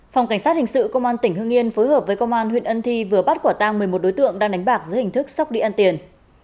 phòng cảnh sát hình sự công an tỉnh hương yên phối hợp với công an huyện ân thi vừa bắt quả tang một mươi một đối tượng đang đánh bạc dưới hình thức sóc địa ăn tiền